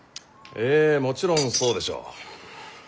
ええもちろんそうでしょう。